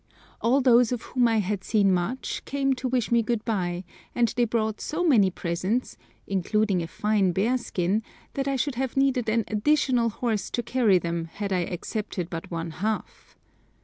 All those of whom I had seen much came to wish me good bye, and they brought so many presents (including a fine bearskin) that I should have needed an additional horse to carry them had I accepted but one half.